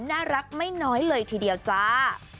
น่ารักไม่น้อยเลยทีเดียวจ้า